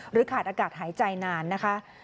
ขาดอากาศหายใจนานนะคะ